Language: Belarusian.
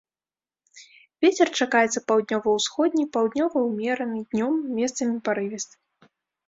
Вецер чакаецца паўднёва-ўсходні, паўднёвы ўмераны, днём месцамі парывісты.